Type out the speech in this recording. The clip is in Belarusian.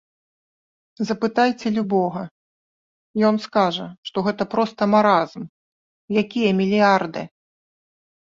Запытайце любога, ён скажа, што гэта проста маразм, якія мільярды?